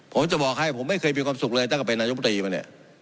ผมจะบอกให้ผมไม่เคยมีความสุขเลยตั้งแต่เป็นนายกตรีมาเนี่ย